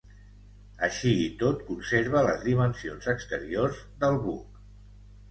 Així i tot conserva les dimensions exteriors del buc.